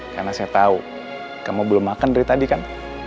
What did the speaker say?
karena saya tau kamu belum makan dari tadi kan